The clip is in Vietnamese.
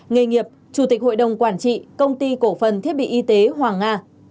nghề nghiệp chủ tịch hội đồng quản trị công ty cổ phần thiết bị y tế hoàng nga